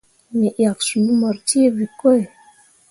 Me yak suu mur ceevǝkoi.